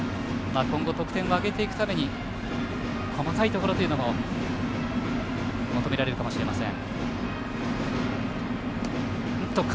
今後、得点を挙げていくために細かいところも求められるかもしれません。